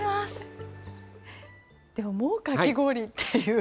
もうかき氷っていう。